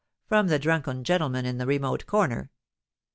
from the drunken gentleman in the remote corner.